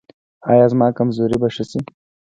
ایا زما کمزوري به ښه شي؟